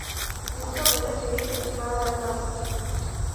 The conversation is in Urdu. جس کا بجٹ زیربحث نہ لایا جا سکے